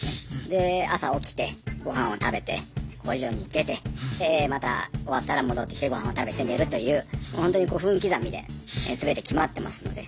で朝起きてごはんを食べて工場に出てでまた終わったら戻ってきてごはんを食べて寝るというほんとに分刻みで全て決まってますので。